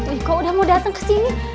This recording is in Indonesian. aduh iko udah mau dateng kesini